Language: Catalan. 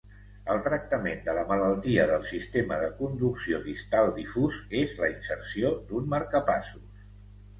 El tractament de la malaltia del sistema de conducció distal difús és la inserció d'un marcapassos.